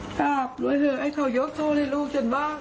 กราบด้วยเถอะให้เขายกโทษให้ลูกฉันบ้าง